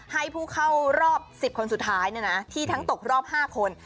ให้ผู้เข้ารอบ๑๐คนสุดท้ายที่ทั้งตกรอบ๕คน